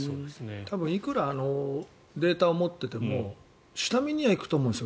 多分いくらデータを持っていても下見には行くと思うんですよ。